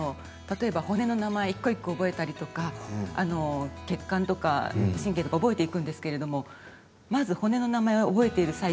例えば骨の名前、一個一個覚えたりとか血管とか、神経とか覚えていくんですけれどもまず骨の名前を覚えている